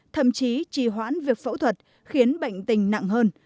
thậm chí trì hoãn việc phẫu thuật khiến bệnh tình nặng hơn